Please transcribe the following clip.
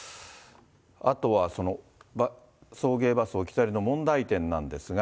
あとは送迎バス置き去りの問題点なんですが。